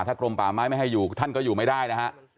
กรมป่าไม้ไม่ให้อยู่ท่านก็อยู่ไม่ได้นะฮะ